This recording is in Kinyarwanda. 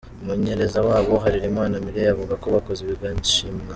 Umumenyereza wabo Harerimana Mireille avuga ko bakoze bigashimwa.